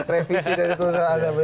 revisi dari tuhan